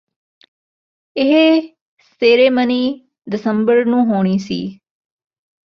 ਇਹ ਸੈਰੇਮਨੀ ਦਸੰਬਰ ਨੂੰ ਹੋਣੀ ਸੀ